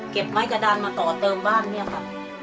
ไม้กระดานมาต่อเติมบ้านเนี่ยค่ะ